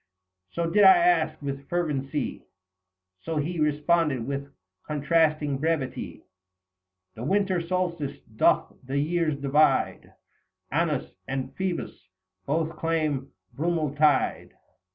" So did I ask with fervency ; so he Responded with contrasting brevity :— 170 " The winter Solstice doth the years divide ; Annus and Phoebus, both claim Brumaltide."